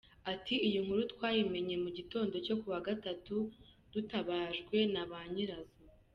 Ati ”Iyi nkuru twayimenye mu gitondo cyo ku wa Gatatu dutabajwe na ba nyirazo.